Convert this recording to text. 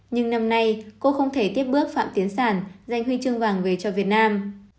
nhưng năm nay cô không thể tiếp bước phạm tiến sản giành huy chương vàng về cho việt nam